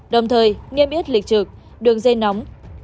đồng thời nghiêm yết lịch trực đường dây nóng